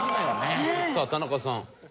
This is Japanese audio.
さあ田中さん。